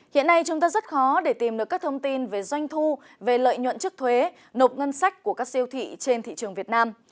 hiện nay chúng ta rất khó để tìm được các thông tin về doanh thu về lợi nhuận chức thuế nộp ngân sách của các siêu thị trên thị trường việt nam